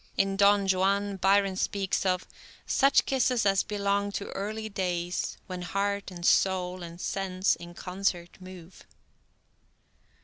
In "Don Juan" Byron speaks of Such kisses as belong to early days, When heart, and soul, and sense, in concert move.